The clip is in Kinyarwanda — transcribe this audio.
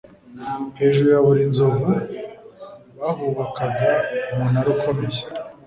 hejuru ya buri nzovu bahubakaga umunara ukomeye